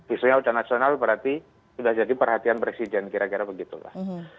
isunya udah nasional berarti udah jadi perhatian presiden kira kira begitu lah